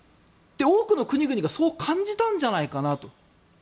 多くの国々がそう感じたんじゃないかなと。